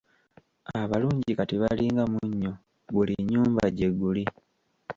Abalungi kati balinga munnyo buli nnyumba gyeguli.